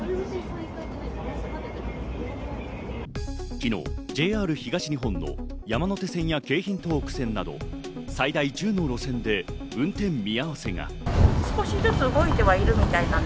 昨日、ＪＲ東日本の山手線や京浜東北線など、最大１０の路線で運転見合わせが。